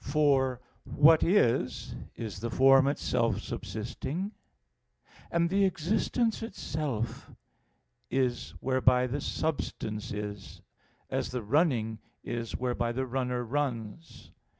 For "what is," is the form itself subsisting; and the existence itself is whereby the substance is; as the running is whereby the runner runs.